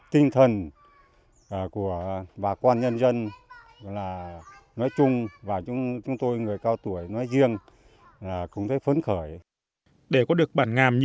để có được bản ngàm như hiện nay